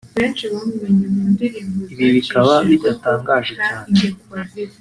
Ibi bikaba bidatangaje cyane